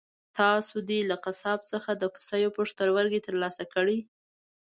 تاسو دې له قصاب څخه د پسه یو پښتورګی ترلاسه کړئ.